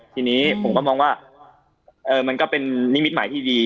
ทีนี้ผมก็มองว่ามันก็เป็นนิมิตหมายที่ดี